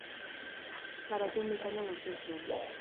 Garaipen bikaina lortu zuen.